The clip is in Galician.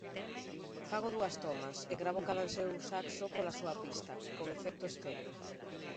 Fago dúas tomas, e gravo cadanseu saxo pola súa pista, con efecto estéreo.